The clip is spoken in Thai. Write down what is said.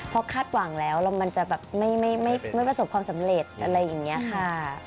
พอคาดหวังแล้วแล้วมันจะแบบไม่ประสบความสำเร็จอะไรอย่างนี้ค่ะ